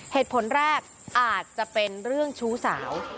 เหตุผลแรกอาจจะเป็นเรื่องชู้สาว